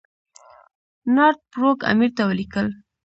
نارت بروک امیر ته ولیکل.